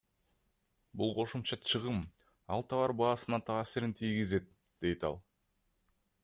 Бул кошумча чыгым, ал товар баасына таасирин тийгизет, — дейт ал.